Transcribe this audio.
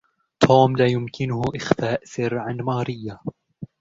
توم لا يمكنهُ إخفاء سر عن ماريا.